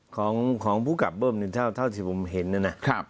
ของผู้กลับที่ผมเห็นนะ